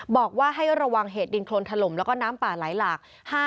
บอกว่าให้ระวังเหตุดินโครนถล่มแล้วก็น้ำป่าไหลหลาก